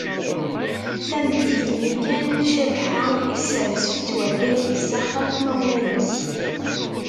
Tameddit-nni kan, Cabḥa isserzef-itt urgaz-is s axxam n yimawlan-is.